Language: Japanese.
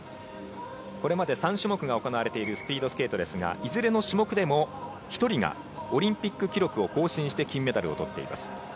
これまで３種目が行われているスピードスケートですがいずれの種目でも１人がオリンピックレコードを更新して金メダルをとっています。